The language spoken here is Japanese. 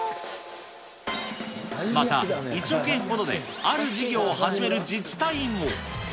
また１億円ほどである事業を始める自治体も。